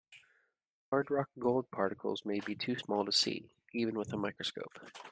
Hardrock gold particles may be too small to see, even with a microscope.